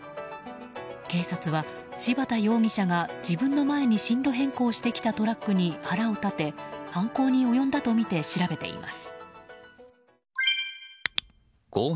警察は柴田容疑者が自分の前に進路変更してきたトラックに腹を立て犯行に及んだとみて調べています。